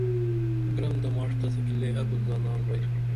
گرم تہ ماݜ تسہ کی لے ابُت زانال بئیتھُن